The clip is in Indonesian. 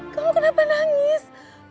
kamu kenapa nangis